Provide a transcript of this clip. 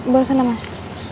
baulah sana mas